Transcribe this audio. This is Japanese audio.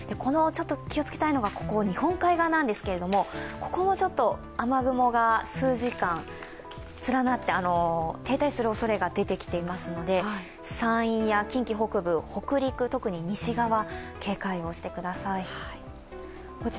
気をつけたいのは日本海側なんですけれども、ここの雨雲が数時間連なって停滞するおそれが出てきていますので山陰や近畿北部、北陸西側は特に警戒をしてください。